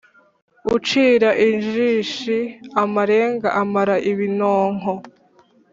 Ucira injiji amarenga amara ibinonko.